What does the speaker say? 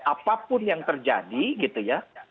apapun yang terjadi gitu ya